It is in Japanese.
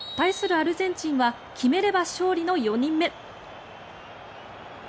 アルゼンチンは決めれば勝利の４人目。